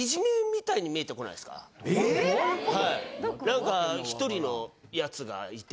何か１人のやつがいて。